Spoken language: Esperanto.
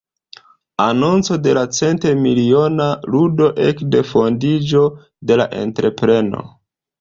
Anonco de la cent-miliona ludo ekde fondiĝo de la entrepreno.